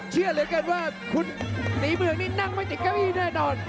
เหมือนกันว่าคุณสีเมืองนี่นั่งไว้จากเก้าอีนแน่นอน